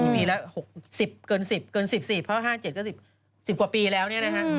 ทีวีละ๖๐เกิน๑๐เกิน๑๔เพราะ๕๗ก็๑๐กว่าปีแล้วเนี่ยนะฮะ